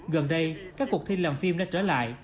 gần đây các cuộc thi làm phim đã trở lại